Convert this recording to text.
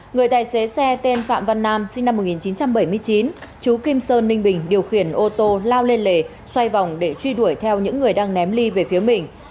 người tài xế xe tên phạm văn nam sinh năm một nghìn chín trăm bảy mươi chín chú kim sơn ninh bình điều khiển ô tô lao lên lề xoay vòng để truy đuổi theo những người đang ném ly về phía mình